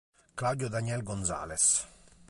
Claudio Daniel González